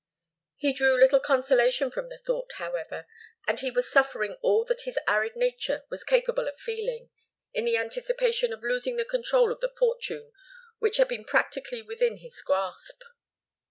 He drew little consolation from the thought, however, and he was suffering all that his arid nature was capable of feeling, in the anticipation of losing the control of the fortune which had been practically within his grasp.